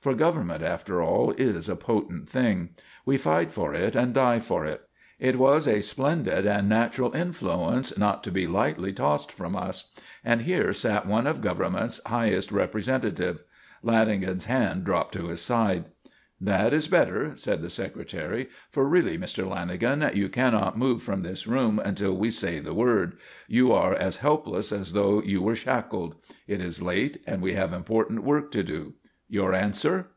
For Government, after all, is a potent thing. We fight for it and die for it. It has a splendid and natural influence not to be lightly tossed from us. And here sat one of Government's highest representatives. Lanagan's hand dropped to his side. "That is better," said the Secretary. "For really, Mr. Lanagan, you cannot move from this room until we say the word. You are as helpless as though you were shackled. It is late and we have important work to do. Your answer?"